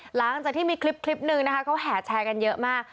หลังจากที่มีคลิปนึงนะคะเขาแห่แชร์กันเยอะมาก